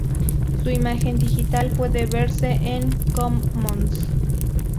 Su imagen digital puede verse en Commons.